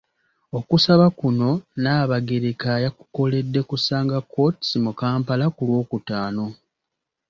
Okusaba kuno Nnaabagereka yakukoledde ku Sanga Courts mu Kampala ku Lwokutaano.